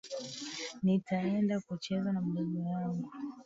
Nitaenda kucheza na baba yangu